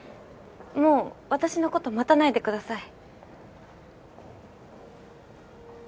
もう私のこと待たないでください。